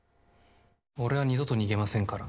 俺は二度と逃げませんから。